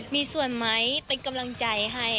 มีส่วนไหมเป็นกำลังใจให้